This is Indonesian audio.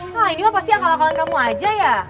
wah ini mah pasti akal akalan kamu aja ya